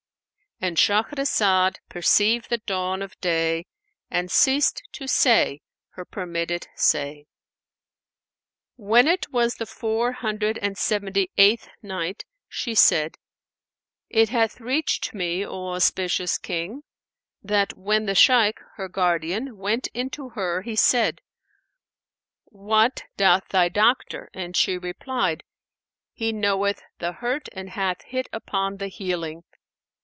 '"—And Shahrazad perceived the dawn of day and ceased to say her permitted say. When it was the Four Hundred and Seventy eighth Night, She said, It hath reached me, O auspicious King, that "when the Shaykh, her guardian, went in to her he said, 'What doth thy doctor?'; and she replied, 'He knoweth the hurt and hath hit upon the healing.'